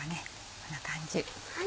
こんな感じ。